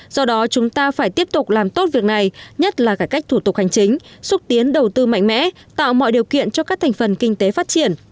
do đó chúng ta phải tiếp tục làm tốt việc này nhất là cải cách thủ tục hành chính xúc tiến đầu tư mạnh mẽ tạo mọi điều kiện cho các thành phần kinh tế phát triển